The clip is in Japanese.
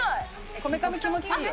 こめかみ気持ちいいよ。